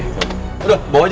udah bawa aja